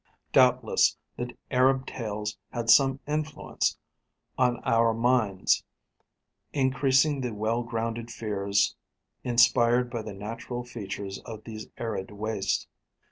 Doubtless the Arab tales had some influence on our minds, increasing the well grounded fears inspired by the natural features of these arid wastes.